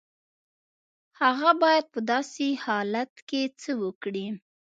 هغه بايد په داسې حالت کې څه وکړي؟